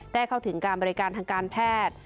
เข้าถึงการบริการทางการแพทย์